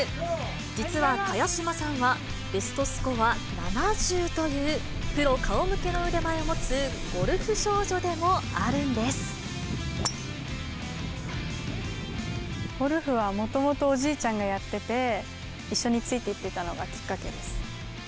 実は茅島さんは、ベストスコア７０というプロ顔負けの腕前を持つゴルフ少女でもあゴルフはもともとおじいちゃんがやってて、一緒についていってたのがきっかけです。